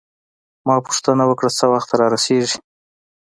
ما پوښتنه وکړه: څه وخت رارسیږي؟